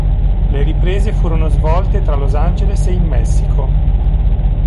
Le riprese furono svolte tra Los Angeles e il Messico.